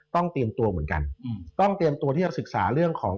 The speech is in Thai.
เตรียมตัวเหมือนกันต้องเตรียมตัวที่จะศึกษาเรื่องของ